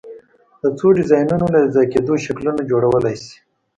د څو ډیزاینونو له یو ځای کېدو شکلونه جوړولی شئ؟